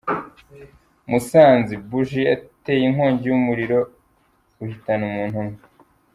Musanze : Buji yateye inkongi y’umuriro uhitana umuntu umwe.